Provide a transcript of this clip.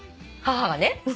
母がね。